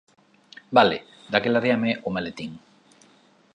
Vale. Daquela déame o maletín.